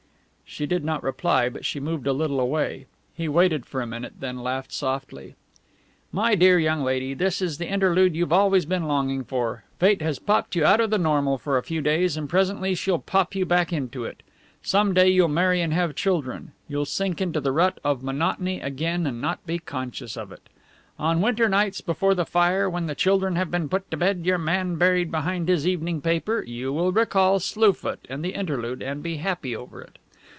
She did not reply, but she moved a little away. He waited for a minute, then laughed softly. "My dear young lady, this is the interlude you've always been longing for. Fate has popped you out of the normal for a few days, and presently she'll pop you back into it. Some day you'll marry and have children; you'll sink into the rut of monotony again and not be conscious of it. On winter nights, before the fire, when the children have been put to bed, your man buried behind his evening paper, you will recall Slue Foot and the interlude and be happy over it.